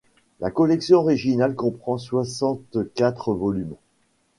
La collection originale comprend soixante quatre volumes.